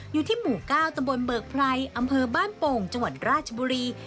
อยู่ที่หมู่๙ตำบลเบิกไพรอำเภอบ้านโป่งจังหวัดราชบุรี